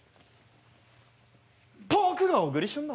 僕が小栗旬だ。